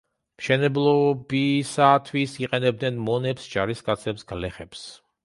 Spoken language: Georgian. მშენებლობისათვის იყენებდნენ მონებს, ჯარისკაცებს, გლეხებს.